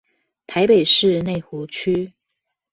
台北市內湖區